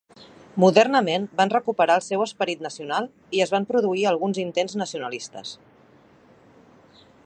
Modernament van recuperar el seu esperit nacional i es van produir alguns intents nacionalistes.